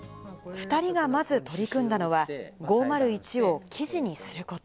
２人がまず取り組んだのは、５０１を生地にすること。